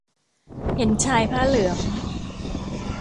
เห็นชายผ้าเหลือง